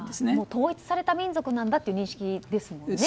統一された民族なんだという認識ですもんね。